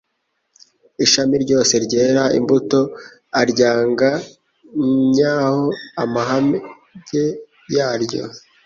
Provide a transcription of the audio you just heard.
«Ishami ryose ryera imbuto, aryanganyaho amahage yaryo,